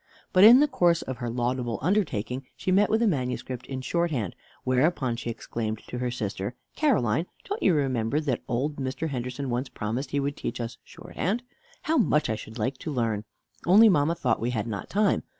But in the course of her laudable undertaking, she met with a manuscript in shorthand; whereupon she exclaimed to her sister, "Caroline, don't you remember that old Mr. Henderson once promised he would teach us shorthand? How much I should like to learn! Only, mamma thought we had not time.